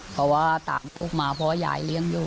เพราะว่าต่างพวกมาเพราะว่ายายเลี้ยงอยู่